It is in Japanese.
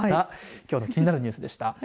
きょうの気になるニュースでした。